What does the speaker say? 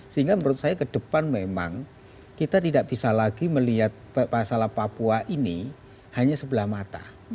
sehingga menurut saya ke depan memang kita tidak bisa lagi melihat masalah papua ini hanya sebelah mata